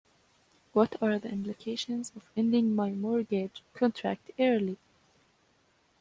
What are the implications of ending my mortgage contract early?